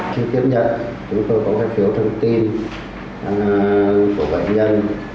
khi tiếp nhận chúng tôi có các thiếu thông tin của bệnh nhân